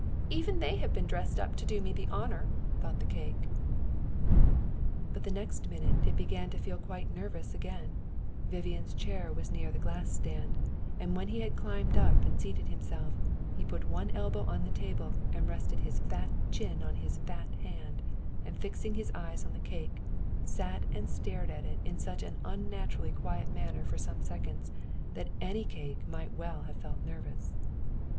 "Even they have been dressed up to do me honour," thought the cake. [ILLUSTRATION: "THERE'S THE CAKE," HE SAID.] But, the next minute, it began to feel quite nervous again, Vivian's chair was near the glass stand, and when he had climbed up and seated himself, he put one elbow on the table and rested his fat chin on his fat hand, and fixing his eyes on the cake, sat and stared at it in such an unnaturally quiet manner for some seconds, that any cake might well have felt nervous.